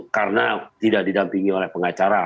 karena tidak didampingi oleh pengacara